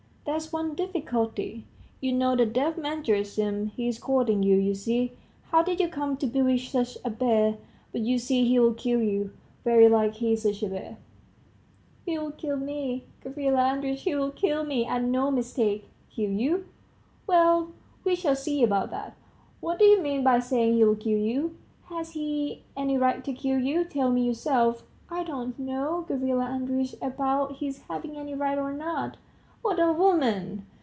"There's one difficulty ... you know the deaf man, Gerasim, he's courting you, you see. How did you come to bewitch such a bear? But you see, he'll kill you, very like, he's such a bear ..." "He'll kill me, Gavrila Andreitch, he'll kill me, and no mistake." "Kill you ... Well we shall see about that. What do you mean by saying he'll kill you? Has he any right to kill you? tell me yourself." "I don't know, Gavrila Andreitch, about his having any right or not." "What a woman!